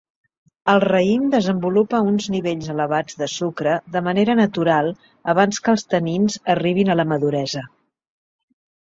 El raïm desenvolupa uns nivells elevats de sucre de manera natural abans que els tanins arribin a la maduresa.